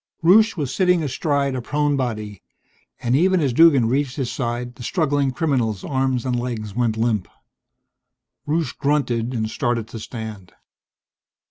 Rusche was sitting astride a prone body, and even as Duggan reached his side the struggling criminal's arms and legs went limp. Rusche grunted and started to stand.